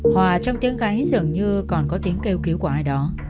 hòa trong tiếng gáy dường như còn có tiếng gà gáy